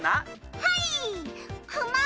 はい。